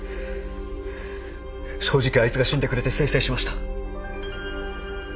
正直あいつが死んでくれてせいせいしました。